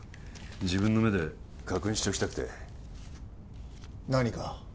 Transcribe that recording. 自分の目で確認しておきたくて何か？